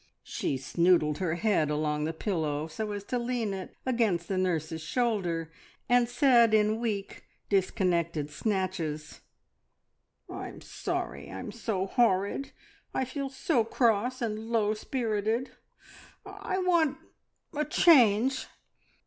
She snoodled her head along the pillow so as to lean it against the nurse's shoulder, and said in weak, disconnected snatches, "I'm sorry I'm so horrid. I feel so cross and low spirited. I want a change.